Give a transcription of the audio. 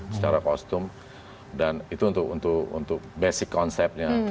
secara kostum dan itu untuk basic konsepnya